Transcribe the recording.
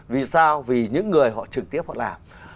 vì sao vì những người họ trực tiếp họ làm